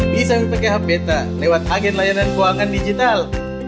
bisa memakai habita lewat agen layanan keuangan digital